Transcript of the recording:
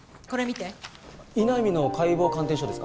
井波の解剖鑑定書ですか？